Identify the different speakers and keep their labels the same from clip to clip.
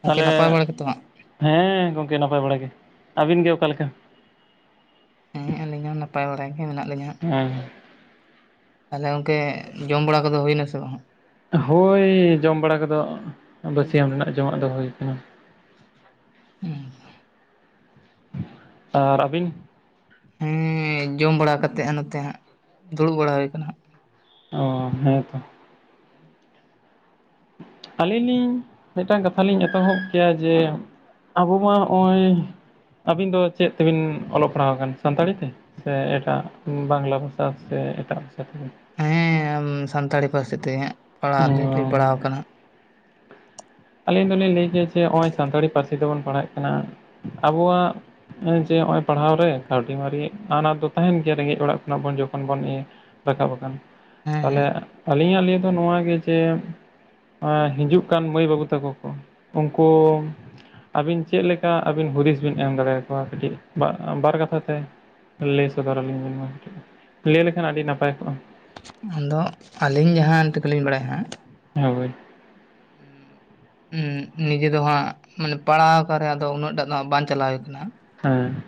Speaker 1: ᱜᱚᱝᱠᱮ
Speaker 2: ᱛᱟᱦᱞᱮ
Speaker 1: ᱱᱟᱯᱟᱭ ᱵᱟᱲᱟ ᱜᱮᱛᱚ ᱦᱟᱸᱜ?
Speaker 2: ᱦᱮᱸ ᱜᱚᱝᱠᱮ ᱱᱟᱯᱟᱭ ᱵᱟᱲᱟ ᱜᱮ ᱟᱹᱵᱤᱱ ᱜᱮ ᱚᱠᱟ ᱞᱮᱠᱟ?
Speaker 1: ᱦᱮᱸ ᱟᱹᱞᱤᱧ ᱱᱟᱯᱟᱭ ᱵᱟᱲᱟ ᱜᱮ ᱢᱮᱱᱟᱜ ᱞᱤᱧᱟ ᱦᱟᱸᱜ᱾
Speaker 2: ᱦᱮᱸ
Speaker 1: ᱛᱟᱦᱞᱮ ᱚᱝᱠᱮ ᱡᱚᱢ ᱵᱟᱲᱟ ᱠᱚᱫᱚ ᱦᱩᱭᱱᱟᱥᱮ ᱵᱟᱝ?
Speaker 2: ᱦᱳᱭ ᱡᱚᱢ ᱵᱟᱲᱟ ᱜᱚᱫᱚᱜ ᱵᱟᱥᱭᱟᱹᱢ ᱨᱮᱱᱟᱜ ᱡᱚᱢᱟᱜ ᱫᱚ ᱦᱩᱭ ᱟᱠᱟᱱᱟ᱾
Speaker 1: [inaudible]
Speaker 2: ᱟᱨ ᱟᱹᱵᱤᱱ?
Speaker 1: ᱦᱮᱸ ᱡᱚᱢ ᱵᱟᱲᱟ ᱠᱟᱛᱮᱜ ᱱᱚᱛᱮ ᱦᱟᱸᱜ ᱫᱩᱲᱩᱵ ᱵᱟᱲᱟ ᱦᱩᱭ ᱠᱟᱱᱟ ᱱᱟᱸᱜ
Speaker 2: ᱚ ᱦᱮᱸᱛᱚ ᱟᱹᱞᱤᱧ ᱞᱤᱧ ᱢᱤᱫᱴᱟᱝ ᱠᱟᱛᱷᱟ ᱞᱤᱧ ᱮᱛᱚᱦᱚᱵ ᱠᱮᱭᱟ ᱡᱮ ᱟᱵᱚ ᱢᱟ ᱱᱚᱜᱼᱚᱭ᱾ ᱟᱹᱵᱤᱱ ᱫᱚ ᱪᱮᱫ ᱛᱮᱵᱮᱱ ᱚᱞᱚᱜ ᱯᱟᱲᱦᱟᱣ ᱟᱠᱟᱱᱟ ᱥᱟᱱᱛᱟᱲᱤ ᱛᱮ? ᱥᱮ ᱮᱴᱟᱜ ᱵᱟᱝᱞᱟ ᱵᱷᱟᱥᱟ ᱥᱮ ᱮᱴᱟᱜ ᱵᱷᱟᱥᱟ ᱛᱮ?
Speaker 1: ᱦᱮᱸ ᱟᱢ ᱥᱟᱱᱛᱟᱲᱤ ᱯᱟᱹᱨᱥᱤ ᱛᱮᱜᱮ
Speaker 2: ᱚ
Speaker 1: ᱯᱟᱲᱦᱟᱜ [inaudible] ᱞᱤᱧ ᱯᱟᱲᱦᱟᱣ ᱟᱠᱟᱱᱟ᱾
Speaker 2: ᱟᱹᱞᱤᱧ ᱫᱚᱞᱤᱧ ᱞᱟᱹᱭ ᱠᱮᱭᱟ ᱡᱮ ᱱᱚᱜᱼᱚᱭ ᱥᱟᱱᱛᱟᱲᱤ ᱯᱟᱹᱨᱥᱤ ᱛᱮᱵᱚᱱ ᱯᱟᱲᱦᱟᱜ ᱠᱟᱱᱟ ᱟᱵᱚᱣᱟᱜ᱾ ᱦᱮᱸ ᱡᱮ ᱱᱚᱜ ᱚᱭ ᱯᱟᱲᱦᱟᱣ ᱨᱮ ᱠᱟᱹᱣᱰᱤ ᱢᱟᱨᱤ ᱟᱱᱟᱴ ᱫᱚ ᱛᱟᱦᱮᱱ ᱜᱮᱭᱟ ᱨᱮᱸᱜᱮᱡ ᱚᱲᱟᱜ ᱠᱷᱚᱱᱟᱜ ᱡᱚᱠᱷᱚᱱ ᱵᱚᱱ ᱤᱭᱟᱹᱼᱼ ᱨᱟᱠᱟᱵ ᱟᱠᱟᱱ
Speaker 1: ᱦᱮᱸ
Speaker 2: ᱛᱟᱦᱞᱮ
Speaker 1: ᱦᱮᱸ᱾
Speaker 2: ᱟᱹᱞᱤᱧᱟᱜ ᱞᱤᱭᱟᱹ ᱫᱚ ᱱᱚᱣᱟ ᱜᱮ ᱡᱮ ᱦᱤᱡᱩᱜ ᱠᱟᱱ ᱢᱟᱹᱭ ᱵᱟᱹᱵᱩᱼᱼ ᱛᱟᱠᱚ ᱠᱚ ᱩᱱᱠᱩ ᱟᱹᱵᱤᱱ ᱪᱮᱫ ᱞᱮᱠᱟ ᱟᱹᱵᱤᱱ ᱦᱩᱫᱤᱥ ᱵᱮᱱ ᱮᱢ ᱫᱟᱲᱮ ᱟᱠᱚᱣᱟ ᱠᱟᱹᱴᱤᱡ ᱵᱟᱜ ᱵᱟᱨ ᱠᱟᱛᱷᱟ ᱛᱮ? ᱞᱟᱹᱭ ᱥᱚᱫᱚᱨ ᱟᱹᱞᱤᱧ ᱵᱮᱱ ᱢᱟ ᱞᱟᱹᱭ ᱞᱮᱠᱷᱟᱱ ᱟᱹᱰᱤ ᱱᱟᱯᱟᱭ ᱠᱚᱜᱼᱟ᱾
Speaker 1: ᱟᱫᱚ, ᱟᱹᱞᱤᱧ ᱡᱟᱦᱟᱸ ᱴᱤᱠᱟᱹ ᱞᱤᱧ ᱵᱟᱲᱟᱭᱟ ᱟᱸᱜ᱾
Speaker 2: ᱦᱳᱭ᱾
Speaker 1: ᱦᱩᱸ ᱱᱤᱡᱮ ᱫᱚ ᱦᱟᱸᱜ ᱢᱟᱱᱮ ᱯᱟᱲᱦᱟᱣ ᱟᱠᱟᱱ ᱨᱮᱦᱚᱸ ᱟᱫᱚ ᱩᱱᱟᱹᱜ ᱴᱟᱜ ᱫᱚᱜ ᱦᱟᱸᱜ ᱵᱟᱝ ᱪᱟᱞᱟᱣ ᱦᱩᱭ ᱠᱟᱱᱟ
Speaker 2: ᱦᱮᱸ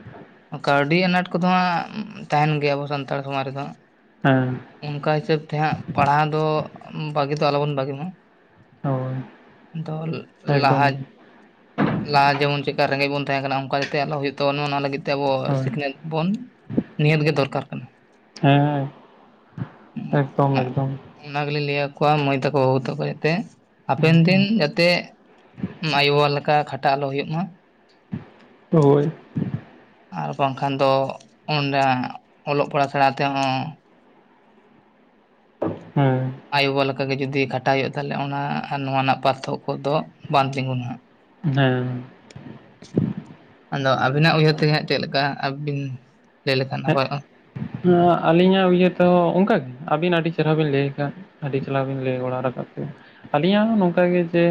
Speaker 1: ᱠᱟᱹᱣᱰᱤ ᱟᱱᱟᱴ ᱠᱚᱫᱚ ᱦᱟᱸᱜ ᱛᱟᱦᱮᱱ ᱜᱮᱭᱟ ᱟᱵᱚ ᱥᱟᱱᱛᱟᱲ ᱥᱚᱢᱟᱡᱽ ᱨᱮᱫᱚ᱾
Speaker 2: ᱦᱮᱸ
Speaker 1: ᱚᱱᱠᱟ ᱦᱤᱥᱟᱹᱵᱽ ᱛᱮᱦᱟᱸᱜ ᱯᱟᱲᱦᱟᱣ ᱫᱚ ᱵᱟᱜᱤ ᱫᱚ ᱟᱞᱚᱵᱚᱱ ᱵᱟᱜᱤ ᱢᱟ᱾
Speaker 2: ᱦᱳᱭ
Speaker 1: ᱫᱚᱞ
Speaker 2: ᱮᱠᱫᱚᱢ
Speaker 1: ᱞᱟᱦᱟ
Speaker 2: ᱜᱮ
Speaker 1: ᱞᱟᱦᱟ ᱡᱮᱢᱚᱱ ᱪᱮᱠᱟ ᱨᱮᱸᱜᱮᱡ ᱵᱚᱱ ᱛᱟᱦᱮᱸ ᱠᱟᱱᱟ ᱚᱱᱠᱟ ᱡᱟᱛᱮ ᱟᱞᱚ ᱦᱩᱭᱩᱜ ᱛᱟᱵᱚᱱᱟ ᱚᱱᱟ ᱞᱟᱹᱜᱤᱫ ᱛᱮ ᱟᱵᱚ
Speaker 2: ᱦᱳᱭ
Speaker 1: ᱥᱤᱠᱷᱱᱟᱹᱛ ᱵᱚᱱ ᱱᱤᱦᱟᱹᱛ ᱜᱮ ᱫᱚᱨᱠᱟᱨ ᱠᱟᱱᱟ᱾
Speaker 2: ᱦᱮᱸ ᱮᱠᱫᱚᱢ ᱮᱠᱫᱚᱢ᱾
Speaker 1: ᱚᱱᱟ ᱜᱮᱞᱤᱧ ᱞᱟᱹᱭ ᱟᱠᱚᱣᱟ ᱢᱟᱹᱭ ᱛᱟᱠᱚ ᱵᱟᱹᱵᱩ ᱛᱟᱠᱚ ᱡᱟᱛᱮ ᱦᱟᱯᱮᱱ ᱫᱤᱱ ᱡᱟᱛᱮ ᱟᱭᱳ ᱵᱟᱵᱟ ᱞᱮᱠᱟ ᱠᱷᱟᱴᱟᱜ ᱟᱞᱚ ᱦᱳᱭᱳᱜ ᱢᱟ᱾
Speaker 2: ᱦᱳᱭ
Speaker 1: ᱟᱨ ᱵᱟᱝᱠᱷᱟᱱ ᱫᱚ ᱩᱱᱨᱮᱦᱟᱸᱜ ᱚᱞᱚᱜ ᱯᱟᱲᱦᱟᱜ ᱥᱮᱬᱟ ᱛᱮᱦᱚᱸ
Speaker 2: ᱦᱮᱸ
Speaker 1: ᱟᱭᱳᱼᱵᱟᱵᱟ ᱞᱮᱠᱟ ᱜᱮ ᱡᱩᱫᱤ ᱠᱷᱟᱴᱟᱜ ᱦᱩᱭᱩᱜᱼᱟ ᱛᱟᱦᱚᱞᱮ ᱚᱱᱟ ᱱᱚᱣᱟ ᱨᱮᱱᱟᱜ ᱯᱟᱨᱛᱷᱚᱠ ᱠᱚ ᱫᱚ ᱵᱟᱝ ᱛᱤᱸᱜᱩᱱᱟ᱾
Speaker 2: ᱦᱮᱸ
Speaker 1: ᱟᱫᱚ ᱟᱹᱵᱤᱱᱟᱜ ᱩᱭᱦᱟᱹᱨ ᱛᱮᱜᱮ ᱦᱟᱸᱜ ᱪᱮᱫᱞᱮᱠᱟ? ᱟᱹᱵᱤᱱ ᱞᱟᱹᱭ ᱞᱮᱠᱷᱟᱱ ᱱᱟᱯᱟᱭᱚᱜ-ᱟ᱾
Speaker 2: ᱦᱮᱸ ᱟᱹᱞᱤᱧᱟᱜ ᱩᱦᱟᱹᱨ ᱛᱮᱦᱚᱸ ᱚᱱᱠᱟᱜᱮ ᱟᱹᱵᱤᱱ ᱟᱹᱰᱤ ᱪᱮᱨᱦᱟ ᱵᱤᱱ ᱞᱟᱹᱭᱮᱫ ᱠᱟᱱ ᱟᱹᱰᱤ ᱪᱟᱞᱟᱣ ᱵᱤᱱ ᱞᱟᱹᱭ ᱵᱟᱲᱟ ᱨᱟᱠᱟᱫ ᱛᱮ ᱟᱹᱞᱤᱧ ᱦᱚᱸ ᱱᱚᱝᱠᱟᱜᱮ ᱡᱮ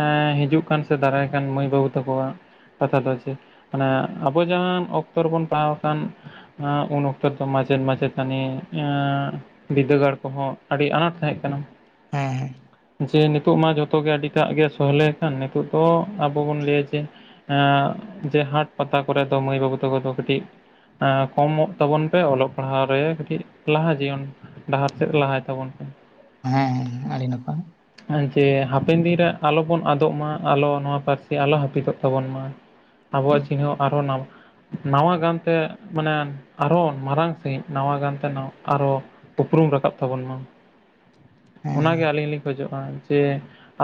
Speaker 2: ᱮ ᱦᱤᱡᱩᱜ ᱠᱟᱱ ᱥᱮ ᱫᱟᱨᱟᱭ ᱠᱟᱱ ᱢᱟᱹᱭ ᱵᱟᱹᱵᱩ ᱛᱟᱠᱚᱣᱟᱜ ᱠᱟᱛᱷᱟ ᱫᱚ ᱪᱮᱫ? ᱢᱟᱱᱮ ᱟᱵᱚ ᱡᱟᱦᱟᱸᱟᱱ ᱚᱠᱛᱚ ᱨᱮᱵᱚᱱ ᱯᱟᱲᱟᱣ ᱟᱠᱟᱱ ᱦᱟᱸ ᱩᱱ ᱚᱠᱛᱚ ᱫᱚ ᱢᱟᱪᱮᱫ ᱢᱟᱪᱣᱛᱟᱹᱱᱤ ᱮᱟᱸ ᱵᱤᱫᱫᱟᱹᱜᱟᱲ ᱠᱚᱦᱚᱸ ᱟᱹᱰᱤ ᱟᱱᱟᱴ ᱛᱟᱦᱮᱸᱜ ᱠᱟᱱᱟ
Speaker 1: ᱦᱮᱸ ᱦᱮᱸ
Speaker 2: ᱡᱮ ᱱᱤᱛᱚᱜ ᱢᱟ ᱡᱚᱛᱚᱜᱮ ᱟᱹᱰᱤ [unintelligible] ᱱᱤᱛᱟᱜ ᱜᱮ ᱥᱚᱦᱞᱮ ᱟᱠᱟᱱ ᱱᱤᱛᱚᱜ ᱫᱚ ᱟᱵᱚ ᱵᱚᱱ ᱞᱟᱹᱭᱟ ᱡᱮ ᱮᱸ ᱡᱮ ᱦᱟᱴ ᱯᱟᱛᱟ ᱠᱚᱨᱮ ᱫᱚ ᱢᱟᱹᱭ ᱵᱟᱹᱵᱩ ᱛᱟᱠᱚ ᱫᱚ ᱠᱟᱹᱴᱤᱡ ᱮᱸ ᱠᱚᱢᱚᱜ ᱛᱟᱵᱚᱱ ᱯᱮ ᱚᱞᱚᱜ ᱯᱟᱲᱦᱟᱣ ᱨᱮ ᱠᱟᱹᱴᱤᱡ ᱞᱟᱦᱟ ᱡᱤᱭᱚᱱ ᱰᱟᱦᱟᱨ ᱥᱮᱫ ᱞᱟᱦᱟᱭ ᱛᱟᱵᱚᱱ ᱯᱮ
Speaker 1: ᱦᱮᱸ ᱟᱹᱰᱤ ᱱᱟᱯᱟᱭ
Speaker 2: ᱡᱮ ᱦᱟᱯᱮᱱ ᱫᱤᱱ ᱨᱮ ᱟᱞᱚᱵᱚᱱ ᱟᱫᱚᱜ ᱢᱟ ᱟᱞᱚ ᱱᱚᱣᱟ ᱯᱟᱹᱨᱥᱤ ᱟᱞᱚ ᱦᱟᱹᱯᱤ ᱫᱚᱜ ᱛᱟᱵᱚᱱ ᱢᱟ
Speaker 1: ᱦᱮᱸ
Speaker 2: ᱟᱵᱚᱣᱟᱜ ᱪᱤᱱᱦᱟᱹᱣ ᱟᱨᱦᱚᱸ ᱱᱟᱣᱟ ᱜᱟᱱ ᱛᱮ ᱢᱟᱱᱮ ᱟᱨᱚ ᱢᱟᱨᱟᱝ ᱥᱟᱺᱦᱤᱡ ᱱᱟᱣᱟ ᱜᱟᱱᱛᱮ ᱟᱨᱚ ᱩᱯᱨᱩᱢ ᱨᱟᱠᱟᱵ ᱛᱟᱵᱚᱱ ᱢᱟ ᱚᱱᱟᱜᱮ
Speaker 1: ᱦᱮᱸ
Speaker 2: ᱟᱹᱞᱤᱧ ᱞᱤᱧ ᱠᱷᱚᱡᱚᱜᱼᱟ ᱡᱮ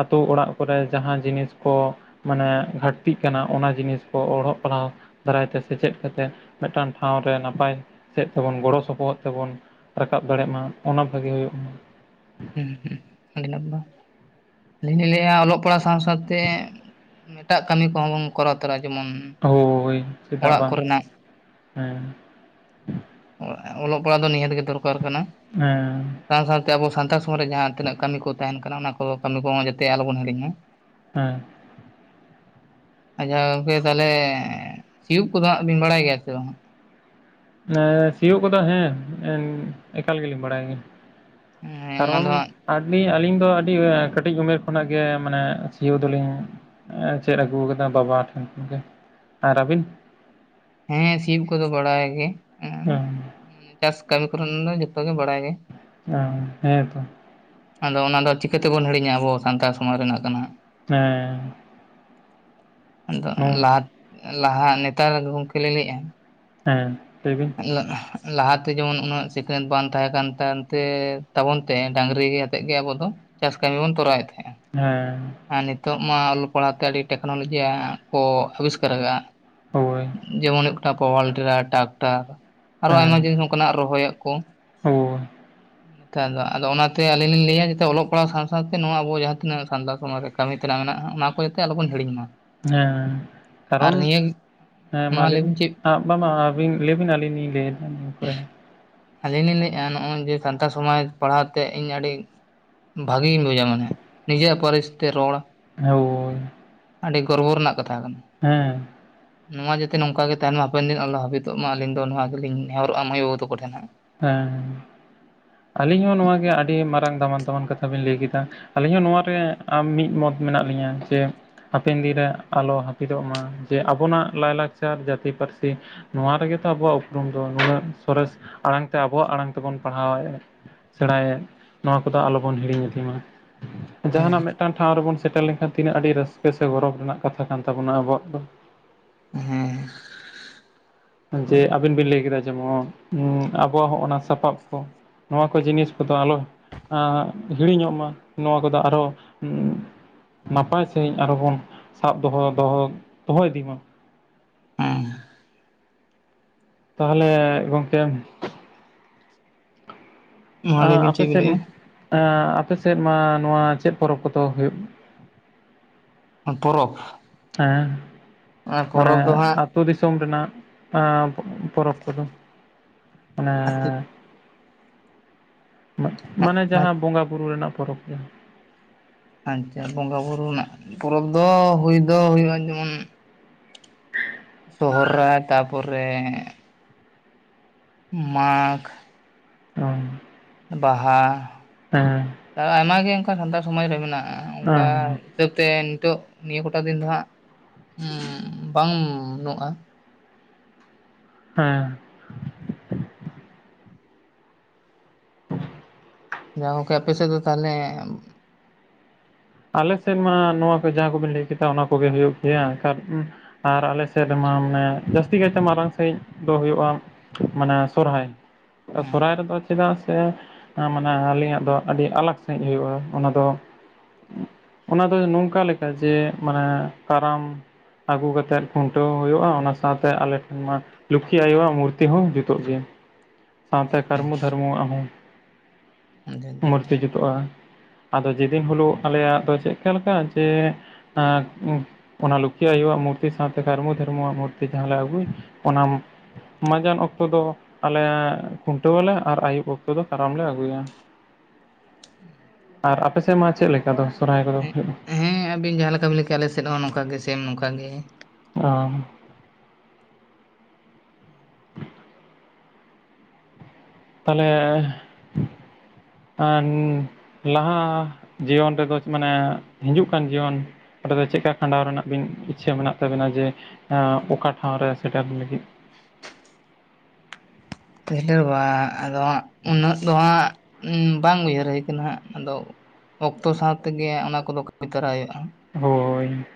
Speaker 2: ᱟᱛᱳ ᱚᱲᱟᱜ ᱠᱚᱨᱮ ᱡᱟᱦᱟᱸ ᱡᱤᱱᱤᱥ ᱠᱚ ᱢᱟᱱᱮ ᱜᱷᱟᱹᱴᱛᱤᱜ ᱠᱟᱱᱟ ᱚᱱᱟ ᱡᱤᱱᱤᱥ ᱠᱚ ᱚᱞᱚᱜ ᱯᱟᱲᱦᱟᱣ ᱫᱟᱨᱟᱭ ᱛᱮ ᱥᱮᱪᱮᱫ ᱠᱟᱛᱮᱫ ᱢᱤᱫᱴᱟᱝ ᱴᱷᱟᱶ ᱨᱮ ᱱᱟᱯᱟᱭ ᱥᱮᱫ ᱛᱮᱵᱚᱱ ᱜᱚᱲᱚ ᱥᱚᱯᱚᱦᱚᱫ ᱛᱮᱵᱚᱱ ᱨᱟᱠᱟᱵ ᱫᱟᱲᱮᱜ ᱢᱟ ᱚᱱᱟ ᱵᱷᱟᱜᱤ ᱦᱩᱭᱩᱜ
Speaker 1: ᱦᱩᱸ ᱦᱩᱸ ᱟᱰᱤ ᱱᱟᱯᱟᱭ ᱟᱹᱞᱤᱧ ᱞᱤᱧ ᱞᱟᱹᱭᱟ ᱚᱞᱚᱜ ᱯᱟᱲᱦᱟᱜ ᱥᱟᱶ ᱥᱟᱶ ᱛᱮ ᱮᱴᱟᱜ ᱠᱟᱹᱢᱤ ᱠᱚᱦᱚᱸ ᱵᱚᱱ ᱠᱚᱨᱟᱣ ᱛᱚᱨᱟ ᱡᱮᱢᱚᱱ
Speaker 2: ᱦᱳᱭ ᱪᱮᱫᱟᱜ
Speaker 1: ᱚᱲᱟᱜ
Speaker 2: ᱵᱟᱝ
Speaker 1: ᱠᱚᱨᱮᱱᱟᱜ
Speaker 2: ᱦᱮᱸ
Speaker 1: ᱚ ᱚᱞᱚᱜ ᱯᱟᱲᱦᱟᱜ ᱫᱚ ᱱᱤᱦᱟᱹᱛ ᱜᱮ ᱫᱚᱨᱠᱟᱨ ᱠᱟᱱᱟ
Speaker 2: ᱦᱮᱸ
Speaker 1: ᱥᱟᱶ ᱥᱟᱶ ᱛᱮ ᱟᱵᱚ ᱥᱟᱱᱛᱟᱲ ᱥᱚᱢᱟᱡ ᱨᱮ ᱡᱟᱦᱟᱸ ᱛᱤᱱᱟᱹᱜ ᱠᱟᱹᱢᱤ ᱠᱚ ᱛᱟᱦᱮᱱ ᱠᱟᱱᱟ ᱚᱱᱟ ᱠᱚ ᱠᱟᱹᱢᱤ ᱠᱚᱦᱚᱸ ᱡᱟᱛᱮ ᱟᱞᱚ ᱵᱚᱱ ᱦᱤᱲᱤᱧ ᱢᱟ
Speaker 2: ᱦᱮᱸ
Speaker 1: ᱟᱪᱷᱟ ᱜᱚᱝᱠᱮ ᱛᱟᱦᱚᱞᱮ ᱥᱤᱭᱳᱜ ᱠᱚᱫᱚ ᱦᱟᱜ ᱵᱤᱱ ᱵᱟᱲᱟᱭ ᱜᱮᱭᱟ ᱥᱮ ᱵᱟᱝ?
Speaker 2: ᱮᱸᱻ ᱥᱤᱭᱳᱜ ᱠᱚᱫᱚ ᱦᱮᱸ ᱮᱠᱟᱞ ᱜᱮᱞᱤᱧ ᱵᱟᱲᱟᱭ ᱜᱮ
Speaker 1: ᱦᱮᱸ ᱚᱱᱟ ᱫᱚ
Speaker 2: ᱠᱟᱨᱚᱱ
Speaker 1: ᱦᱟᱸᱜ
Speaker 2: ᱟᱹᱰᱤ ᱟᱹᱞᱤᱧ ᱫᱚ ᱟᱹᱰᱤ ᱠᱟᱹᱴᱤᱡ ᱩᱢᱮᱨ ᱠᱷᱚᱱᱟᱜ ᱜᱮ ᱢᱟᱱᱮ ᱥᱤᱭᱳ ᱫᱚᱞᱤᱧ ᱪᱮᱫ ᱟᱹᱜᱩ ᱟᱠᱟᱫᱟ ᱵᱟᱵᱟ ᱟᱨ ᱟᱹᱵᱤᱱ
Speaker 1: ᱦᱮᱸ ᱥᱤᱭᱩᱜ ᱠᱚ ᱫᱚ ᱵᱟᱲᱟᱭ ᱜᱮ
Speaker 2: ᱦᱮ
Speaker 1: ᱪᱟᱥ ᱠᱟᱹᱢᱤ ᱠᱚᱨᱮᱱ ᱫᱚ ᱡᱚᱛᱚ ᱜᱮ ᱵᱟᱲᱟᱭ ᱜᱮ
Speaker 2: ᱚ ᱦᱮᱸ ᱛᱚ
Speaker 1: ᱟᱫᱚ ᱚᱱᱟ ᱫᱚ ᱪᱤᱠᱟᱹ ᱛᱮᱵᱚᱱ ᱦᱤᱲᱤᱧᱟ ᱟᱵᱚ ᱥᱟᱱᱛᱟᱲ ᱥᱚᱢᱟᱡᱽ ᱨᱮᱱᱟᱜ ᱠᱟᱱᱟ
Speaker 2: ᱦᱮᱸ
Speaker 1: ᱟᱫᱚ
Speaker 2: ᱱᱚᱣᱟ
Speaker 1: ᱞᱟᱦᱟ ᱞᱟᱦᱟ ᱱᱮᱛᱟᱨ ᱜᱚᱢᱠᱮ ᱞᱮ ᱞᱟᱹᱭᱮᱜᱼᱟ
Speaker 2: ᱦᱮᱸ ᱞᱟᱹᱭ ᱵᱤᱱ
Speaker 1: ᱞᱟᱦᱟᱛᱮ ᱡᱮᱢᱚᱱ ᱩᱱᱟᱹᱜ ᱥᱤᱠᱷᱱᱟᱹᱛ ᱵᱟᱝ ᱛᱟᱦᱮᱸ ᱠᱟᱱᱛᱮ ᱛᱟᱵᱚᱱ ᱛᱮ ᱰᱟᱝᱨᱤ ᱛᱮᱫ ᱜᱮ ᱟᱵᱚ ᱫᱚ ᱪᱟᱥ ᱠᱟᱹᱢᱤ ᱵᱚᱱ ᱛᱚᱨᱟᱣ ᱮᱫ ᱛᱟᱦᱮᱸᱜᱼᱟ
Speaker 2: ᱦᱮᱸ
Speaker 1: ᱟᱨ ᱱᱤᱛᱚᱜ ᱢᱟ ᱚᱞᱚᱜ ᱯᱟᱲᱦᱟᱜ ᱛᱮ ᱟᱹᱰᱤ ᱴᱮᱠᱱᱳᱞᱚᱡᱤ ᱠᱚ ᱟᱵᱤᱥᱠᱟᱨ ᱟᱠᱟᱫᱟ
Speaker 2: ᱦᱳᱭ
Speaker 1: ᱡᱮᱢᱚᱱ ᱦᱩᱭᱩᱜ ᱠᱟᱱᱟ ᱯᱚᱣᱟᱞ ᱴᱮᱞᱟᱨ ᱴᱨᱟᱠᱴᱟᱨ ᱟᱨᱚ ᱟᱭᱢᱟ ᱡᱤᱱᱤᱥ ᱚᱱᱠᱟᱱᱟᱜ ᱨᱚᱦᱚᱭᱟᱜ ᱠᱚ
Speaker 2: ᱚ
Speaker 1: ᱱᱮᱛᱟᱨ ᱫᱚ ᱟᱫᱚ ᱚᱱᱟ ᱛᱮ ᱟᱹᱞᱤᱧ ᱞᱤᱧ ᱞᱟᱹᱭᱟ ᱡᱟᱛᱮ ᱚᱞᱚᱜ ᱯᱟᱲᱦᱟᱣ ᱥᱟᱶ ᱥᱟᱶ ᱛᱮ ᱱᱚᱣᱟ ᱟᱵᱚ ᱡᱟᱦᱟᱸ ᱛᱤᱱᱟᱹᱜ ᱥᱟᱱᱛᱟᱲ ᱥᱚᱢᱟᱡᱽ ᱨᱮ ᱠᱟᱢᱤ ᱛᱮᱱᱟᱜ ᱢᱮᱱᱟᱜᱼᱟ ᱚᱱᱟ ᱠᱚ ᱡᱟᱛᱮ ᱟᱞᱚ ᱵᱚᱱ ᱦᱤᱲᱤᱧ ᱢᱟ
Speaker 2: ᱦᱮᱸ
Speaker 1: ᱟᱨ
Speaker 2: ᱠᱟᱨᱚᱱ
Speaker 1: ᱱᱤᱭᱟᱹ
Speaker 2: ᱦᱮᱸ ᱢᱟ ᱞᱟᱹᱭ ᱵᱤᱱ
Speaker 1: ᱞᱟᱹᱭᱵᱤᱱ ᱪᱮᱫ
Speaker 2: [unintelligible] ᱵᱤᱱᱟ. ᱞᱤᱞ ᱞᱤᱧ ᱞᱟᱹᱭ ᱫᱟ
Speaker 1: ᱟᱹᱞᱤᱧ ᱞᱤᱧ ᱞᱟᱹᱭᱮᱫᱼᱟ ᱱᱚᱜᱼᱚᱭ ᱡᱮ ᱥᱟᱱᱛᱟᱲ ᱥᱚᱢᱟᱡᱽ ᱯᱟᱲᱦᱟᱣ ᱛᱮ ᱤᱧ ᱟᱹᱰᱤ ᱵᱷᱟᱜᱮᱧ ᱵᱩᱡᱟ ᱢᱟᱱᱮ ᱱᱤᱡᱮᱨᱟᱜ ᱯᱟᱹᱨᱤᱥ ᱛᱮ ᱨᱚᱲ
Speaker 2: ᱦᱳᱭ
Speaker 1: ᱟᱹᱰᱤ ᱜᱚᱨᱵᱚ ᱨᱮᱱᱟᱜ ᱠᱟᱛᱷᱟ ᱠᱟᱱᱟ᱾
Speaker 2: ᱦᱮᱸ
Speaker 1: ᱱᱚᱣᱟ ᱡᱟᱛᱮ ᱱᱚᱝᱠᱟ ᱜᱮ ᱛᱟᱦᱮᱱ ᱢᱟ ᱦᱟᱯᱮᱱ ᱫᱤᱱ ᱟᱞᱚ ᱦᱟᱹᱯᱤᱛᱚᱜ ᱢᱟ ᱟᱞᱤᱧ ᱫᱚ ᱱᱚᱣᱟ ᱜᱮᱞᱤᱧ ᱱᱮᱦᱚᱨᱚᱜᱼᱟ ᱢᱟᱹᱭ ᱵᱟᱹᱵᱩ ᱛᱮᱠᱚ ᱴᱷᱮᱱ ᱦᱟᱜ
Speaker 2: ᱦᱮᱸ ᱟᱹᱞᱤᱧ ᱦᱚᱸ ᱱᱚᱣᱟ ᱜᱮ ᱟᱹᱰᱤ ᱢᱟᱨᱟᱝ ᱫᱟᱢᱟᱱ ᱫᱟᱢᱟᱱ ᱠᱟᱛᱷᱟ ᱵᱤᱱ ᱞᱟᱹᱭ ᱠᱮᱫᱟ ᱟᱹᱞᱤᱧ ᱦᱚᱸ ᱱᱚᱟᱨᱮ ᱟᱢ ᱢᱤᱫ ᱢᱚᱛ ᱢᱮᱱᱟᱜ ᱞᱤᱧᱟ ᱥᱮ ᱦᱟᱯᱮᱱ ᱫᱤᱱ ᱨᱮ ᱟᱞᱚ ᱦᱟᱹᱯᱤᱫᱚᱜ ᱢᱟ ᱡᱮ ᱟᱵᱚᱱᱟᱜ ᱞᱟᱭ ᱞᱟᱠᱪᱟᱨ ᱡᱟᱹᱛᱤ ᱯᱟᱹᱨᱥᱤ ᱱᱚᱣᱟ ᱨᱮᱜᱮ ᱛᱚ ᱟᱵᱚᱣᱟᱜ ᱩᱯᱨᱩᱢ ᱫᱚ ᱱᱩᱱᱟᱹᱜ ᱥᱚᱨᱮᱥ ᱟᱲᱟᱝ ᱛᱮ ᱟᱵᱚᱣᱟᱜ ᱟᱲᱟᱝ ᱛᱮᱵᱚᱱ ᱯᱟᱲᱦᱟᱣᱮᱜ-ᱟᱼᱼ ᱥᱮᱬᱟᱭᱮᱫ ᱱᱚᱣᱟ ᱠᱚᱫᱚ ᱟᱞᱚᱵᱚᱱ ᱦᱤᱲᱤᱧ ᱤᱫᱤ ᱢᱟ᱾ ᱡᱟᱦᱟᱱᱟᱜ
Speaker 1: ᱦᱮᱸ
Speaker 2: ᱢᱤᱫᱴᱟᱝ ᱴᱷᱟᱶ ᱨᱮᱵᱚᱱ ᱥᱮᱴᱮᱨ ᱡᱟᱦᱟᱱᱟᱜ ᱴᱷᱟᱣ ᱞᱮᱱ ᱠᱷᱦᱟᱱ ᱨᱮ ᱥᱮᱴᱮᱨ ᱞᱮᱱ ᱠᱷᱟᱱ ᱛᱤᱱᱟᱹᱜ ᱟᱹᱰᱤ ᱨᱟᱹᱥᱠᱟᱹ ᱥᱮ ᱜᱚᱨᱚᱵᱽ ᱨᱮᱱᱟᱜ ᱠᱟᱛᱷᱟ ᱠᱟᱱ ᱛᱟᱵᱚᱱᱟ ᱟᱵᱚᱣᱟᱜ ᱫᱚ᱾
Speaker 1: ᱦᱮᱸ
Speaker 2: ᱡᱮ ᱟᱵᱤᱱ ᱵᱤᱱ ᱞᱟᱹᱭ ᱠᱮᱫᱟ ᱡᱮᱢᱚᱱ ᱟᱵᱚᱣᱟᱜ ᱦᱚᱸᱜ ᱚᱱᱟ ᱥᱟᱯᱟᱵ ᱠᱚ ᱱᱚᱣᱟ ᱠᱚ ᱡᱤᱱᱤᱥ ᱠᱚᱫᱚ ᱟᱞᱚ ᱟᱸᱻ ᱦᱤᱲᱤᱧᱚᱜ ᱢᱟ ᱱᱚᱣᱟ ᱠᱚᱫᱚ ᱟᱨᱚ ᱱᱟᱯᱟᱭ ᱥᱟᱺᱦᱤᱡ ᱟᱨᱦᱚᱸ ᱵᱚᱱ ᱥᱟᱵ ᱫᱚᱦᱚ ᱫᱚᱦᱚ ᱫᱚᱦᱚ ᱤᱫᱤ ᱢᱟ᱾
Speaker 1: ᱦᱮᱸ
Speaker 2: ᱛᱟᱦᱚᱞᱮ ᱜᱚᱝᱠᱮ
Speaker 1: ᱢᱟ ᱞᱟᱹᱭ ᱵᱤᱱ
Speaker 2: ᱟᱯᱮ
Speaker 1: ᱪᱮᱫ ᱵᱤᱱ
Speaker 2: ᱥᱮᱫ
Speaker 1: ᱞᱟᱹᱭᱮᱜᱼᱟ
Speaker 2: ᱟᱯᱮ ᱥᱮᱫ ᱢᱟ ᱱᱚᱣᱟ ᱪᱮᱫ ᱯᱚᱨᱚᱵᱽ ᱠᱚᱫᱚ ᱦᱩᱭᱩᱜ‌
Speaker 1: ᱯᱚᱨᱚᱵᱽ
Speaker 2: ᱦᱮᱸ
Speaker 1: ᱚᱱᱟ
Speaker 2: ᱢᱟᱱᱮ
Speaker 1: ᱯᱚᱨᱚᱵᱽ ᱫᱚ ᱦᱟᱸᱜ
Speaker 2: ᱟᱹᱛᱩᱳ ᱫᱤᱥᱚᱢ ᱨᱮᱱᱟᱜ ᱯᱚᱨᱚᱵᱽ ᱠᱚᱫᱚ᱾
Speaker 1: ᱟᱹᱛᱩ
Speaker 2: ᱢᱟᱱᱮ ᱢᱟᱱᱮ ᱡᱟᱦᱟᱸ ᱵᱚᱸᱜᱟ ᱵᱩᱨᱩ ᱨᱮᱱᱟᱜ ᱯᱚᱨᱚᱵᱽ ᱜᱮ
Speaker 1: ᱟᱪᱷᱟ ᱵᱚᱸᱜᱟ ᱵᱩᱨᱩ ᱨᱮᱱᱟᱜ ᱯᱚᱨᱚᱵᱽ ᱫᱚ ᱦᱩᱭ ᱫᱚ ᱦᱩᱭᱩᱜᱼᱟ, ᱡᱮᱢᱚᱱ ᱥᱚᱦᱚᱨᱟᱭ ᱛᱟᱯᱚᱨᱮ ᱢᱟᱜᱷ
Speaker 2: [unintelligible]
Speaker 1: ᱵᱟᱦᱟ
Speaker 2: ᱦᱮᱸᱦᱮᱸ
Speaker 1: ᱟᱨ ᱟᱭᱢᱟᱜ ᱜᱮ ᱚᱱᱠᱟ ᱥᱟᱱᱛᱟᱲ ᱥᱚᱢᱟᱡᱽ ᱨᱮ ᱢᱮᱱᱟᱜᱼᱟ, ᱚᱱᱠᱟ
Speaker 2: ᱦᱮᱸ
Speaker 1: ᱤᱛᱟᱹᱵᱽ ᱛᱮ ᱱᱤᱛᱚᱜ ᱱᱤᱭᱟᱹ ᱠᱚᱴᱟ ᱫᱤᱱ ᱫᱚ ᱦᱟᱜ ᱩᱸᱻ ᱵᱟᱝᱱᱩᱜᱼᱟ᱾
Speaker 2: ᱦᱮᱸ
Speaker 1: ᱡᱟ ᱜᱚᱝᱠᱮ ᱟᱯᱮ ᱥᱮᱫ ᱫᱚ ᱛᱟᱦᱞᱮ
Speaker 2: ᱟᱞᱮ ᱥᱮᱫ ᱢᱟ ᱱᱚᱣᱟ ᱠᱚ ᱡᱟᱦᱟᱸ ᱠᱚᱵᱮᱱ ᱞᱟᱹᱭ ᱠᱮᱫᱟ ᱚᱱᱟ ᱠᱚᱜᱮ ᱦᱩᱭᱩᱜ ᱜᱮᱭᱟ᱾ ᱮᱠᱟᱞ ᱟᱨ ᱟᱞᱮ ᱥᱮᱫ ᱨᱮᱢᱟ ᱢᱟᱱᱮ ᱡᱟᱹᱥᱛᱤ ᱠᱟᱭᱛᱮ ᱢᱟᱨᱟᱝ ᱥᱟᱺᱦᱤᱡ ᱫᱚ ᱦᱩᱭᱩᱜᱼᱟ᱾ ᱢᱟᱱᱮ ᱥᱚᱨᱦᱟᱭ ᱥᱚᱨᱦᱟᱭ ᱨᱮᱫᱚ ᱪᱮᱫᱟᱜ ᱥᱮ ᱢᱟᱱᱮ ᱟᱹᱞᱤᱧᱟᱜ ᱫᱚ ᱟᱹᱰᱤ ᱟᱞᱠ ᱥᱟᱺᱦᱤᱡ ᱦᱩᱭᱩᱜᱼᱟ᱾ ᱚᱱᱟ ᱫᱚ ᱚᱱᱟ ᱫᱚ ᱱᱚᱝᱠᱟ ᱞᱮᱠᱟ ᱡᱮ ᱢᱟᱱᱮ ᱠᱟᱨᱟᱢ ᱟᱹᱜᱩ ᱠᱟᱛᱮᱫ ᱠᱷᱩᱱᱴᱟᱹᱣ ᱦᱩᱭᱩᱜᱼᱟ ᱚᱱᱟ ᱥᱟᱶᱛᱮ ᱟᱞᱮ ᱴᱷᱮᱱ ᱢᱟ ᱞᱩᱠᱷᱤ ᱟᱭᱳᱣᱟᱜ ᱢᱩᱨᱛᱤ ᱦᱚᱸ ᱡᱩᱛᱩᱜ ᱜᱮᱭᱟ᱾ ᱥᱟᱶᱛᱮ ᱠᱟᱨᱢᱩ ᱫᱷᱟᱨᱢᱩᱣᱟᱜ ᱦᱚᱸ᱾ ᱢᱩᱨᱛᱤ ᱡᱩᱛᱩᱜᱼᱟ ᱟᱫᱚ ᱡᱮᱫᱤᱱ ᱦᱤᱞᱳᱜ ᱟᱞᱮᱭᱟᱜ ᱫᱚ ᱪᱮᱫᱠᱟ ᱞᱮᱠᱟ ᱡᱮ ᱟᱨ ᱚᱱᱟ ᱞᱚᱠᱷᱤ ᱟᱭᱳᱣᱟᱜ ᱢᱩᱨᱛᱤ ᱥᱟᱶᱛᱮ ᱠᱟᱨᱢᱩ ᱫᱷᱟᱨᱢᱩᱣᱟᱜ ᱢᱩᱨᱛᱤ ᱡᱟᱦᱟᱸᱞᱮ ᱟᱹᱜᱩᱭ, ᱚᱱᱟ ᱢᱟᱸᱡᱟᱱ ᱚᱠᱛᱚ ᱫᱚ ᱟᱞᱮ ᱠᱷᱩᱱᱴᱟᱹᱣᱟᱞᱮ ᱟᱨ ᱟᱹᱭᱩᱵ ᱚᱠᱛᱚ ᱫᱚ ᱠᱟᱨᱟᱢ ᱞᱮ ᱟᱹᱜᱩᱭᱟ᱾ [unintelligible]
Speaker 1: ᱦᱮᱸ [inaudible]
Speaker 2: ᱟᱨ ᱟᱯᱮ ᱥᱮᱫ ᱢᱟ ᱪᱮᱫ ᱞᱮᱠᱟ ᱫᱚ ᱥᱚᱨᱟᱦᱟᱭ ᱠᱚᱫᱚ ᱦᱩᱭᱩᱜᱼᱟ᱾
Speaker 1: ᱦᱮᱸ ᱟᱵᱤᱱ ᱡᱟᱦᱟᱸ ᱞᱮᱠᱟᱵᱤᱱ ᱞᱟᱹᱭ ᱠᱮᱜ ᱟᱞᱮᱥᱮᱫ ᱦᱚᱸ ᱱᱚᱝᱠᱟ ᱜᱮ ᱥᱮᱢ ᱱᱚᱝᱠᱟ ᱜᱮ
Speaker 2: ᱚᱸ ᱛᱟᱞᱦᱮ ᱟᱨ ᱞᱟᱦᱟ ᱡᱤᱭᱚᱱ ᱨᱮᱫᱚ ᱢᱟᱱᱮ ᱦᱤᱡᱩᱜ ᱠᱟᱱ ᱡᱤᱭᱚᱱ ᱚᱸᱰᱮ ᱫᱚ ᱪᱮᱫᱠᱟ ᱠᱷᱟᱸᱰᱟᱣ ᱨᱮᱱᱟᱜ ᱵᱤᱱ ᱤᱪᱷᱟᱹ ᱢᱮᱱᱟᱜ ᱛᱟᱵᱮᱱᱟ ᱡᱮ ᱚᱠᱟ ᱴᱷᱟᱶ ᱨᱮ ᱥᱮᱴᱮᱨ ᱞᱟᱹᱜᱤᱫ
Speaker 1: ᱯᱟᱦᱹᱞᱮ ᱵᱟᱝ ᱟᱫᱚᱜ ᱩᱱᱟᱹᱜ ᱫᱚ ᱦᱟᱸᱜ ᱵᱟᱝ ᱩᱭᱦᱟᱹᱨ ᱦᱩᱭ ᱠᱟᱱᱟ ᱦᱟᱜ, ᱟᱫᱚ ᱚᱠᱛᱚ ᱥᱟᱶ ᱛᱮᱜᱮ ᱚᱱᱟ ᱠᱚᱫᱚ ᱠᱟᱹᱢᱤ ᱛᱚᱨᱟᱭ ᱦᱩᱭᱩᱜᱼᱟ᱾
Speaker 2: ᱦᱳᱭ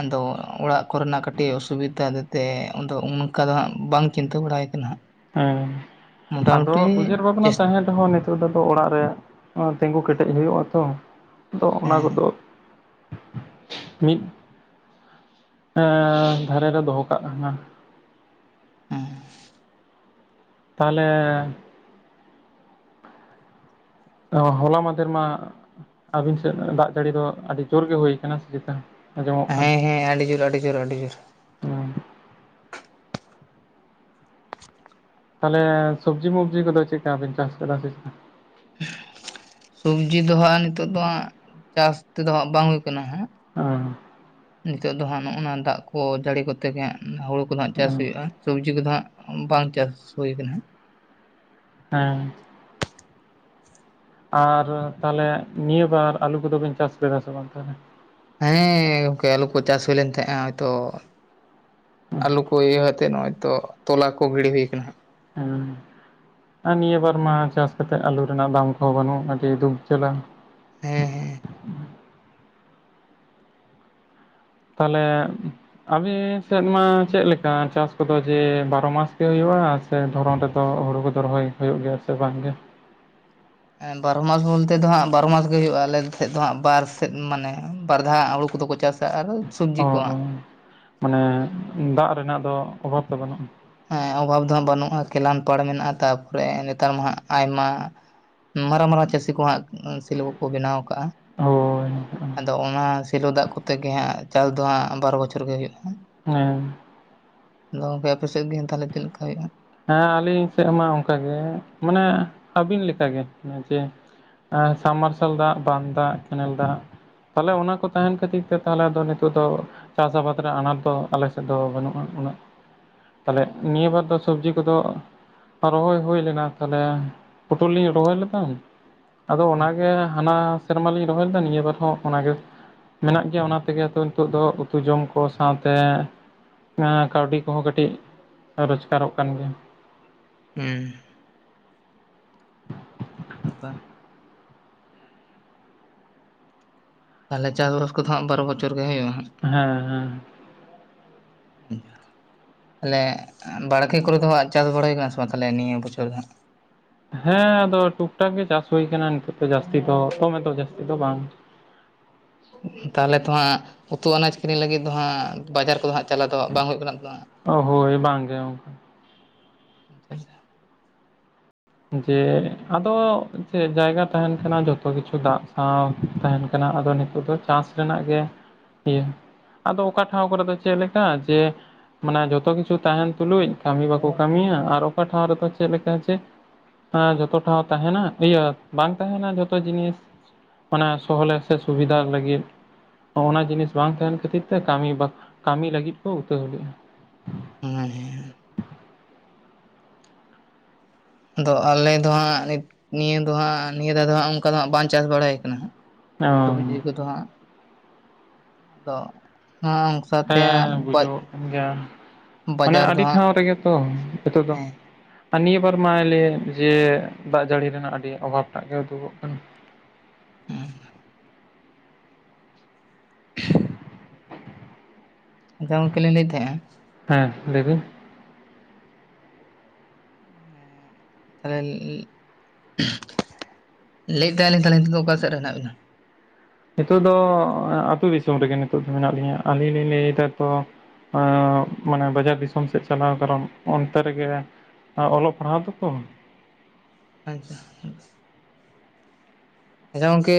Speaker 1: ᱟᱫᱚ ᱚᱲᱟᱜ ᱠᱚᱨᱮᱱᱟᱜ ᱠᱟᱹᱴᱤᱡ ᱚᱥᱩᱵᱤᱫᱟ ᱛᱮ ᱟᱫᱚ ᱚᱱᱠᱟ ᱫᱚ ᱦᱟᱸᱜ ᱵᱟᱝ ᱪᱤᱱᱛᱟᱹ ᱵᱟᱲᱟ ᱠᱟᱱᱟ ᱦᱟᱸᱜ
Speaker 2: ᱦᱮᱸ ᱟᱫᱚ
Speaker 1: ᱢᱚᱴᱟᱢᱩᱴᱤ
Speaker 2: ᱩᱭᱦᱟᱹᱨ ᱵᱷᱟᱵᱽᱱᱟ
Speaker 1: ᱪᱮᱥ
Speaker 2: ᱛᱟᱦᱮᱸ ᱨᱮᱦᱚᱸ ᱱᱤᱛᱚᱜ ᱫᱚ ᱚᱲᱟᱜ ᱨᱮ ᱛᱤᱸᱜᱩ ᱠᱮᱴᱮᱡ ᱦᱩᱭᱩᱜ ᱟ ᱛᱚ᱾ ᱟᱫᱚ ᱚᱱᱟ
Speaker 1: ᱦᱮᱸ
Speaker 2: ᱠᱚᱫᱚ [unintelligible] ᱢᱤᱫ ᱫᱷᱟᱨᱮ ᱨᱮ ᱫᱚᱦᱚ ᱠᱟᱜ ᱠᱟᱱᱟ
Speaker 1: [unintelligible]
Speaker 2: ᱛᱟᱦᱞᱮ ᱦᱚᱞᱟ ᱢᱟᱫᱷᱮᱨ ᱢᱟ ᱟᱹᱵᱤᱱ ᱥᱮᱫ ᱫᱟᱜ ᱡᱟᱹᱲᱤ ᱫᱚ ᱟᱹᱰᱤ ᱡᱳᱨ ᱜᱮ ᱦᱩᱭ ᱠᱟᱱᱟ ᱥᱮ ᱪᱮᱛᱟ? ᱟᱸᱡᱚᱢᱚᱜ ᱠᱟᱱ
Speaker 1: ᱦᱮᱸ ᱦᱮᱸ ᱟᱹᱰᱤ ᱡᱳᱨ ᱟᱹᱰᱤ ᱡᱳᱨ ᱟᱹᱰᱤ ᱡᱳᱨ᱾
Speaker 2: ᱦᱮᱸ ᱛᱟᱦᱚᱞᱮ ᱥᱚᱵᱽᱡᱤ ᱢᱚᱵᱡᱤ ᱠᱚᱫᱚ ᱪᱮᱠᱟ ᱵᱤᱱ ᱪᱟᱥ ᱠᱟᱫᱟ ᱥᱮ ᱪᱮᱠᱟ?
Speaker 1: ᱥᱚᱵᱽᱡᱤ ᱫᱚ ᱦᱟᱸᱜ ᱱᱤᱛᱚᱜ ᱫᱚ ᱦᱟᱸᱜ ᱪᱟᱥ ᱛᱮᱫᱚ ᱦᱟᱸᱜ ᱵᱟᱝ ᱦᱩᱭ ᱠᱟᱱᱟ ᱦᱟᱸᱜ
Speaker 2: [inaudible]
Speaker 1: ᱱᱤᱛᱚᱜ ᱫᱚ ᱦᱟᱸᱜ ᱱᱚᱜ-ᱚᱭ ᱱᱚᱣᱟ ᱫᱟᱜ ᱠᱚ ᱡᱟᱹᱲᱤ ᱜᱚᱫ ᱛᱮᱜᱮ ᱦᱟᱸᱜ ᱦᱩᱲᱩ ᱠᱚᱫᱚ ᱦᱟᱸᱜ ᱪᱟᱥ
Speaker 2: ᱦᱮᱸ
Speaker 1: ᱦᱩᱭᱩᱜᱼᱟ ᱥᱚᱵᱽᱡᱤ ᱠᱚᱫᱚ ᱦᱟᱸᱜ ᱵᱟᱝ ᱪᱟᱥ ᱦᱩᱭ ᱠᱟᱱᱟ᱾
Speaker 2: ᱦᱮᱸ ᱟᱨ ᱛᱟᱞᱦᱮ ᱱᱤᱭᱟᱹ ᱵᱟᱨ ᱟᱞᱩ ᱠᱩᱫᱚ ᱵᱮᱱ ᱪᱟᱥ ᱞᱮᱫᱟ ᱥᱮ ᱵᱟᱝ ᱛᱟᱞᱦᱮ᱾
Speaker 1: ᱦᱮᱸ ᱜᱚᱝᱠᱮ ᱟ. ᱞᱩ ᱠᱩ ᱪᱟᱥ ᱦᱩᱭ ᱞᱮᱱ ᱛᱟᱦᱮᱸᱜᱼᱟ ᱦᱚᱜᱚᱭ ᱛᱚ᱾ ᱟᱞᱩ ᱠᱩ ᱤᱭᱟᱹ ᱟᱛᱮᱫ ᱱᱚᱜᱚᱭ ᱛᱚ ᱛᱚᱞᱟ ᱠᱚ ᱜᱤᱰᱤ ᱦᱩᱭ ᱠᱟᱱᱟ ᱦᱟᱜ
Speaker 2: [inaudible] ᱟᱨ ᱱᱤᱭᱟᱹ ᱵᱟᱨ ᱢᱟ ᱪᱟᱥ ᱠᱟᱛᱮᱫ ᱟᱞᱩ ᱨᱮᱱᱟᱜ ᱫᱟᱢ ᱠᱚᱦᱚᱸ ᱵᱟᱹᱱᱩᱜ ᱟᱹᱰᱤ ᱫᱩᱠ ᱡᱟᱞᱟ᱾
Speaker 1: ᱦᱮᱸ
Speaker 2: ᱛᱟᱦᱚᱞᱮ ᱟᱵᱮ ᱥᱮᱫ ᱢᱟ ᱪᱮᱫ ᱞᱮᱠᱟ ᱪᱟᱥ ᱠᱚᱫᱚ ᱡᱮ ᱵᱟᱨᱚ ᱢᱟᱥ ᱜᱮ ᱦᱩᱭᱩᱜᱼᱟ᱾ ᱟᱯᱮ ᱫᱷᱚᱨᱚᱱ ᱨᱮᱫᱚ ᱦᱩᱲᱩ ᱠᱚᱫᱚ ᱨᱚᱦᱚᱭ ᱦᱩᱭᱩᱜ ᱜᱮᱭᱟ ᱥᱮ ᱵᱟᱝ ᱜᱮ?
Speaker 1: ᱵᱟᱨᱳ ᱢᱟᱥ ᱳᱱᱛᱮ ᱫᱚ ᱦᱟᱸᱜ ᱵᱟᱨᱳ ᱢᱟᱥ ᱜᱮ ᱦᱩᱭᱩᱜ -ᱟ᱾ ᱟᱞᱮ ᱥᱮᱫ ᱫᱚ ᱦᱟᱸᱜ ᱵᱟᱨ ᱥᱮᱫ ᱢᱟᱱᱮ ᱵᱟᱨ ᱫᱷᱟᱣ ᱦᱩᱲᱩ ᱠᱩᱫᱚ ᱠᱚ ᱪᱟᱥ᱾ [unintelligible]
Speaker 2: ᱚ ᱦᱚᱸᱢᱟᱱᱮ ᱫᱟᱜ ᱨᱮᱱᱟᱜ ᱫᱚ ᱚᱵᱷᱟᱵ ᱫᱚ ᱵᱟᱹᱱᱩᱜᱼᱟ᱾
Speaker 1: ᱮᱸ ᱚᱵᱷᱟᱵ ᱫᱚ ᱦᱟᱸᱜ ᱵᱟ. ᱱᱩᱜ-ᱟ ᱾ᱠᱮᱞᱟᱱ ᱯᱟᱲ ᱢᱮᱱᱟᱜ-ᱟ᱾ ᱛᱟᱨᱯᱚᱨᱮ ᱱᱮᱛᱟᱨ ᱢᱟ ᱦᱟᱸᱜ ᱟᱭᱢᱟ᱾ ᱢᱟᱨᱟ ᱢᱟᱨᱟ ᱪᱟᱹᱥᱤ ᱠᱚ ᱦᱟᱸᱜ ᱥᱤᱞ ᱠᱚᱠᱚ ᱵᱮᱱᱟᱣ ᱠᱟᱜᱼᱟ᱾
Speaker 2: ᱦᱳᱭ
Speaker 1: ᱟᱫᱚ ᱚᱱᱟ ᱥᱮᱞᱳ ᱫᱟᱜ ᱠᱚᱛᱮ ᱜᱮ ᱦᱟᱸᱜ ᱪᱟᱥ ᱫᱚ ᱦᱟᱸᱜ ᱵᱟᱨ ᱵᱚᱪᱷᱚᱨ ᱜᱮ ᱦᱩᱭᱩᱜᱼᱟ᱾
Speaker 2: ᱦᱮᱸ᱾
Speaker 1: ᱟᱫᱚ ᱜᱚᱝᱠᱮ ᱟᱯᱮ ᱥᱮᱫ ᱜᱮ ᱦᱟᱸᱜ ᱛᱟᱦᱞᱮ ᱪᱮᱫ ᱞᱮᱠᱟ ᱦᱩᱭᱩᱜᱼᱟ?
Speaker 2: ᱦᱮᱸ ᱟᱹᱞᱤᱧ ᱥᱮᱫ ᱢᱟ ᱚᱱᱠᱟ ᱜᱮ ᱢᱟᱱᱮ ᱟᱹᱵᱤᱱ ᱞᱮᱠᱟ ᱜᱮ ᱡᱮ ᱟᱨ ᱥᱟᱢ ᱢᱟᱨᱥᱟᱞ ᱫᱟᱜ ᱵᱟᱸᱫᱽ ᱫᱟᱜ ᱠᱮᱱᱮᱞ ᱫᱟᱜ᱾ ᱛᱟᱦᱞᱮ ᱚᱱᱟ ᱠᱚ ᱛᱟᱦᱮᱱ ᱠᱷᱟᱹᱛᱤᱨ ᱛᱮ ᱛᱟᱦᱞᱮ ᱫᱚ ᱱᱤᱛᱚᱜ ᱫᱚ᱾ ᱪᱟᱥ ᱟᱵᱟᱫ ᱨᱮ ᱟᱱᱟᱴ ᱫᱚ ᱟᱞᱮ ᱥᱮᱫ ᱫᱚ ᱵᱟᱹᱱᱩᱜᱼᱟ᱾ ᱩᱱᱟᱹᱜ ᱛᱟᱞᱦᱮ ᱱᱤᱭᱟᱹ ᱵᱟᱨ ᱫᱚ ᱥᱚᱵᱽᱡᱤ ᱠᱚᱫᱚ ᱨᱚᱦᱚᱭ ᱦᱩᱭ ᱞᱮᱱᱟ ᱛᱟᱞᱦᱮ ᱯᱳᱴᱳᱞ ᱞᱤᱧ ᱨᱚᱦᱚᱭ ᱞᱮᱫᱟ᱾ ᱟᱫᱚ ᱚᱱᱟ ᱜᱮ ᱦᱟᱱᱟ ᱥᱮᱨᱢᱟ ᱞᱤᱧ ᱨᱚᱦᱚᱭ ᱞᱮᱫᱟ, ᱱᱤᱭᱟᱹ ᱵᱟᱨ ᱦᱚᱸ ᱚᱱᱟᱜᱮ᱾ ᱢᱮᱱᱟᱜ ᱜᱮᱭᱟ ᱚᱱᱟ ᱛᱮᱜᱮ ᱛᱚ ᱱᱤᱛᱚᱜ ᱫᱚ ᱩᱛᱩ ᱡᱚᱢ ᱠᱚ ᱥᱟᱶᱛᱮ᱾ ᱢᱟᱱᱮ ᱠᱟᱣᱰᱤ ᱠᱚᱦᱚᱸ ᱠᱟᱹᱴᱤᱡ ᱨᱚᱡᱽᱜᱟᱨᱚᱜ ᱠᱟᱱ ᱜᱮᱭᱟ᱾
Speaker 1: [unintelligible] ᱟᱵᱵᱟ ᱛᱟᱦᱞᱮ ᱪᱟᱥ ᱵᱟᱥ ᱠᱚᱫᱚ ᱦᱟᱸᱜ ᱵᱟᱨᱚ ᱵᱚᱪᱷᱚᱨ ᱜᱮ ᱦᱩᱭᱩᱜᱼᱟ ᱦᱟᱸᱜ᱾
Speaker 2: ᱦᱮᱸ ᱦᱮᱸ
Speaker 1: [unintelligible] ᱛᱟᱞᱦᱮ ᱵᱟᱲᱠᱮ ᱠᱚᱨᱮ ᱫᱚ ᱦᱟᱸᱜ ᱪᱟᱥ ᱵᱟᱲᱟᱭ ᱠᱟᱱᱟ ᱥᱮ ᱵᱟᱝ ᱛᱟᱦᱚᱞᱮ ᱱᱤᱭᱟᱹ ᱵᱚᱪᱷᱚᱨ ᱫᱚ ᱾
Speaker 2: ᱦᱮᱸ ᱟᱫᱚ ᱴᱩᱠ ᱴᱟᱠ ᱜᱮ ᱪᱟᱥ ᱦᱩᱭ ᱠᱟᱱᱟ ᱱᱤᱛᱚᱜ ᱠᱚ ᱡᱟᱹᱥᱛᱤ ᱠᱚ ᱠᱚᱢᱮ ᱠᱚ ᱡᱟᱹᱥᱛᱤ ᱠᱚ ᱵᱟᱝ᱾
Speaker 1: ᱛᱟᱦᱚᱞᱮ ᱛᱷᱚ ᱦᱟᱸᱜ, ᱩᱛᱩ ᱟᱱᱟᱡᱽ ᱠᱤᱨᱤᱧ ᱞᱟᱹᱜᱤᱫ ᱫᱚ ᱦᱟᱸᱜ, ᱵᱟᱡᱟᱨ ᱠᱚᱫᱚ ᱦᱟᱸᱜ ᱪᱟᱞᱟᱜ ᱫᱚ ᱵᱟᱝ ᱦᱩᱭᱩᱜ ᱠᱟᱱᱟ ᱾
Speaker 2: ᱳᱳ ᱦᱳᱭ ᱵᱟᱝ ᱜᱮ
Speaker 1: [unintelligible]
Speaker 2: ᱡᱮ ᱟᱫᱚ ᱪᱮᱫ ᱡᱟᱭᱜᱟ ᱛᱟᱦᱮᱱ ᱠᱟᱱᱟ ᱡᱚᱛᱚ ᱠᱤᱪᱷᱩ ᱫᱟᱜ ᱥᱟᱶ ᱛᱟᱦᱮᱱ ᱠᱟᱱᱟ ᱟᱫᱚ ᱱᱤᱛᱚᱜ ᱫᱚ ᱪᱟᱥ ᱨᱮᱱᱟᱜ ᱜᱮ ᱤᱭᱟᱹ ᱟᱫᱚ ᱚᱠᱟ ᱴᱷᱟᱶ ᱠᱚᱨᱮ ᱫᱚ ᱪᱮᱫ ᱞᱮᱠᱟ ᱡᱮ ᱢᱟᱱᱮ ᱡᱚᱛᱚ ᱠᱤᱪᱷᱩ ᱛᱟᱦᱮᱱ ᱛᱩᱞᱩᱡ ᱠᱟᱹᱢᱤ ᱵᱟᱠᱚ ᱠᱟᱹᱢᱤᱭᱟ ᱟᱨ ᱚᱠᱟ ᱴᱷᱟᱶ ᱨᱮᱫᱚ ᱪᱮᱫ ᱞᱮᱠᱟ ᱪᱮ᱾ ᱦᱮᱸ ᱡᱚᱛᱚ ᱴᱟᱶ ᱛᱟᱦᱮᱱᱟ ᱤᱭᱟᱹ ᱵᱟᱝ ᱛᱟᱦᱮᱱᱟ ᱡᱷᱚᱛᱚ ᱡᱤᱱᱤᱥ᱾ ᱢᱟᱱᱮ ᱥᱚᱦᱞᱮ ᱥᱮ ᱥᱩᱵᱤᱫᱷᱟ ᱞᱟᱹᱜᱤᱫ᱾ ᱚᱱᱟ ᱡᱤᱱᱤᱥ ᱵᱟᱝ ᱛᱟᱦᱮᱱ ᱠᱷᱟᱹᱛᱤᱨ ᱛᱮ ᱠᱟᱹᱢᱤ, ᱠᱟᱹᱢᱤ ᱞᱟᱹᱜᱤᱫ ᱠᱚ ᱩᱛᱟᱹᱨᱣ ᱞᱮ ᱞᱮᱫᱼᱟ᱾
Speaker 1: ᱦᱮᱸ ᱦᱮᱸᱸ ᱟᱫᱚ ᱟᱞᱮ ᱫᱚ ᱦᱟᱸᱜ ᱱᱤᱭᱟᱹ ᱫᱚ ᱦᱟᱸᱜ ᱱᱤᱭᱟᱹ ᱫᱟᱣ ᱫᱚ ᱦᱟᱜ ᱚᱱᱠᱟ ᱫᱚᱜ ᱵᱟᱝ ᱪᱟᱥ ᱵᱟᱲᱟᱭ ᱠᱟᱱᱟ᱾
Speaker 2: ᱚ
Speaker 1: ᱥᱚᱵᱡᱤ ᱠᱚᱫᱚ ᱦᱟᱸᱜ ᱟᱫᱚ ᱚᱝᱥᱟᱛᱮ
Speaker 2: ᱦᱮᱸ ᱵᱩᱡᱷᱟᱹᱚᱜ ᱠᱟᱱ ᱜᱮᱭᱟ ᱢᱟᱱᱮ
Speaker 1: ᱵᱟᱡᱟᱨ ᱫᱚ
Speaker 2: ᱟᱹᱰᱤ
Speaker 1: ᱦᱟᱸᱜ
Speaker 2: ᱴᱷᱟᱶ ᱨᱮᱜᱮ ᱛᱚ ᱱᱤᱛᱚᱜ ᱫᱚ
Speaker 1: ᱦᱮᱸ
Speaker 2: ᱟᱨ ᱱᱤᱭᱟᱹ ᱵᱟᱨ ᱢᱟᱞᱮ ᱡᱮ ᱫᱟᱜ ᱡᱟᱹᱲᱤ ᱨᱮᱱᱟᱜ ᱟᱹᱰᱤ ᱚᱵᱷᱟᱵᱽ ᱴᱟᱜ ᱜᱮ ᱩᱫᱩᱜᱚᱜ ᱠᱟᱱᱟ᱾
Speaker 1: ᱟᱫᱚ ᱜᱚᱢᱠᱮ ᱞᱤᱧ ᱞᱟᱹᱭᱮᱫ ᱛᱟᱦᱮᱸᱼᱟ
Speaker 2: ᱦᱮᱸ ᱞᱟᱹᱭᱵᱤᱱ
Speaker 1: ᱛᱟᱦᱚᱞᱮ [unintelligible] ᱞᱟᱹᱭᱮᱫ ᱛᱟᱦᱮᱞᱤᱧ ᱛᱟᱦᱚᱞᱮ ᱱᱤᱛᱚᱜ ᱫᱚ ᱚᱠᱟ ᱥᱮᱫ ᱨᱮ ᱦᱮᱱᱟᱜ ᱵᱮᱱᱟ?
Speaker 2: ᱱᱤᱛᱚᱜ ᱫᱚ ᱟᱹᱛᱩᱳ ᱫᱤᱥᱚᱢ ᱨᱮᱜᱮ ᱱᱤᱛᱚᱜ ᱫᱚ ᱢᱮᱱᱟᱜ ᱞᱤᱧᱟᱹ ᱟᱹᱞᱤᱧ ᱞᱤᱧ ᱞᱟᱹᱭ ᱮᱫᱟ ᱛᱚ᱾ ᱦᱮ ᱢᱟᱱᱮ ᱵᱟᱡᱟᱨ ᱫᱤᱥᱚᱢ ᱥᱮᱫ ᱪᱟᱞᱟᱣ ᱠᱟᱨᱚᱱ ᱚᱱᱛᱮ ᱨᱮᱜᱮ ᱟᱨ ᱚᱞᱚᱜ ᱯᱟᱲᱦᱟᱣ ᱫᱚᱠᱚ᱾
Speaker 1: ᱟᱪᱪᱷᱟ ᱟᱪᱪᱷᱟ ᱜᱚᱢᱠᱮ